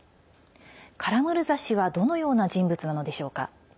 カラムルザ氏はどのような人物なのでしょうか。